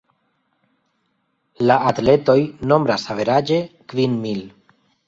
La atletoj nombras averaĝe kvin mil.